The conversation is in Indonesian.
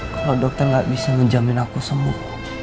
kalau dokter gak bisa menjamin aku sembuh